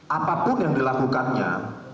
apapun yang dilakukannya